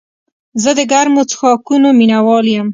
زه د ګرمو څښاکونو مینه وال یم.